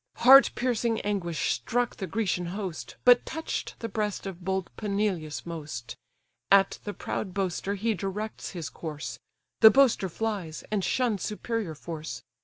Heart piercing anguish struck the Grecian host, But touch'd the breast of bold Peneleus most; At the proud boaster he directs his course; The boaster flies, and shuns superior force.